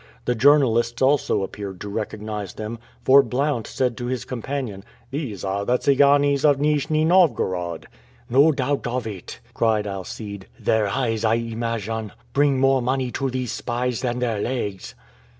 The journalists also appeared to recognize them, for Blount said to his companion, "These are the Tsiganes of Nijni Novgorod." "No doubt of it," cried Alcide. "Their eyes, I imagine, bring more money to these spies than their legs."